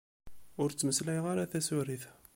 Ur ttmeslayeɣ ara tarusit.